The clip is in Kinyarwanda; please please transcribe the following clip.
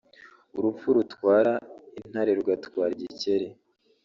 urupfu rutwara intare rugatwara igikeri